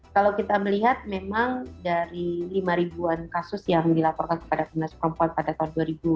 kalau kita melihat memang dari lima ribuan kasus yang dilaporkan kepada komnas perempuan pada tahun dua ribu dua puluh